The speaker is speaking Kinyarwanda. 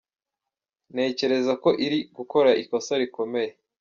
Ntekereza ko iri gukora ikosa rikomeye cyane.